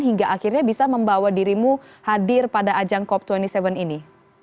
hingga akhirnya bisa membawa dirimu hadir pada ajang cop dua puluh tujuh ini